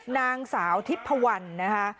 นางสาวทิพพวันนะคะ